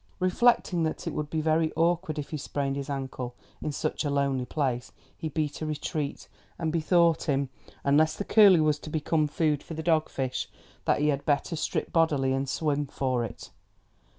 Reflecting that it would be very awkward if he sprained his ankle in such a lonely place, he beat a retreat, and bethought him, unless the curlew was to become food for the dog fish, that he had better strip bodily and swim for it.